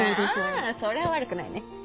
あそれは悪くないね。